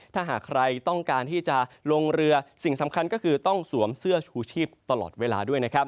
ถ้าหากใครต้องการที่จะลงเรือสิ่งสำคัญก็คือต้องสวมเสื้อชูชีพตลอดเวลาด้วยนะครับ